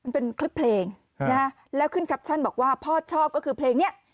มันเป็นคลิปเพลงนะฮะแล้วขึ้นแคปชั่นบอกว่าพ่อชอบก็คือเพลงนี้